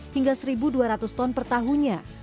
hingga satu dua ratus ton per tahunnya